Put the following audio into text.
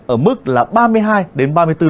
ở mức là ba mươi hai ba mươi bốn độ